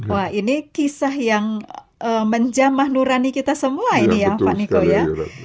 wah ini kisah yang menjamah nurani kita semua ini ya pak niko ya